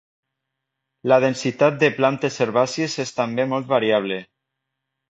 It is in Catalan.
La densitat de plantes herbàcies és també molt variable.